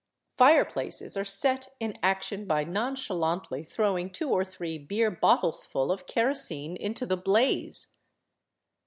Fireplaces are set in ac tion by nonchalantly throwing two or three beer bottlesful of kerosene into the blaze.